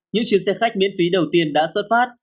những chiếc xe khách miễn phí đầu tiên đã xuất phát